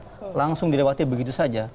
tidak langsung dilewati begitu saja